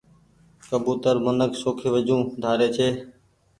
ڪبوتر منک شوکي وجون ڍاري ڇي۔